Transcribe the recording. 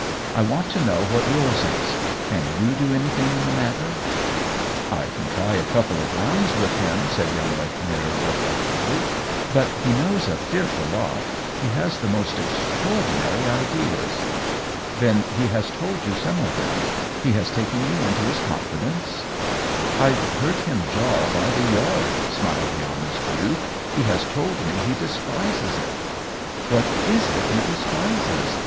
I want to know what yours is. Can you do anything in the matter ?"" I can try a couple of rounds with him," said young Lechmere, reflectively. " But he knows a fearful lot. He has the most ex traordinary ideas." "Then he has told you some of them — he has taken you into his confidence ?" 156 OWEN WINGRAVE " IVe heard him jaw by the yard," smiled the honest youth. "He has told me he despises it." " What is it he despises